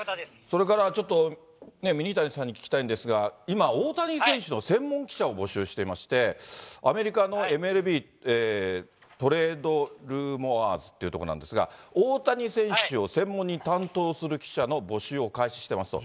それからちょっとミニタニさんに聞きたいんですけれども、今、大谷選手の専門記者を募集していまして、アメリカのＭＬＢトレードルーモアーズというところなんですけれども、大谷選手を専門に担当する記者の募集を開始してますと。